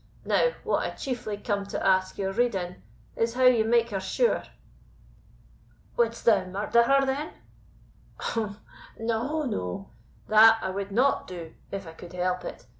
Now, what I chiefly come to ask your rede in, is how to make her sure?" "Wouldst thou murder her, then?" "Umph! no, no; that I would not do, if I could help it.